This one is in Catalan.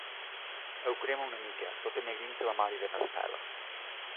Ho crema una mica, tot ennegrint la memòria de na Raffaella.